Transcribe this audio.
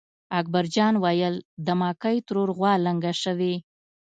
اکبر جان وېل: د مکۍ ترور غوا لنګه شوې.